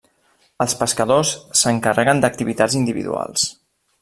Els pescadors s'encarreguen d'activitats individuals.